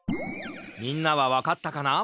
みんなはわかったかな？